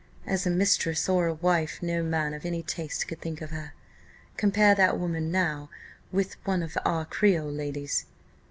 As a mistress, or a wife, no man of any taste could think of her. Compare that woman now with one of our Creole ladies."